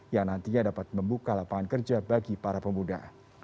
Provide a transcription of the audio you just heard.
yang nantinya dapat membuka lapangan kerja bagi para pemuda